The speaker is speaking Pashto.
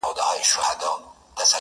گرېـوانـونه به لانــــده كـــــــــړم ـ